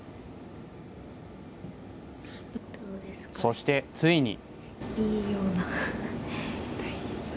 そしてついに。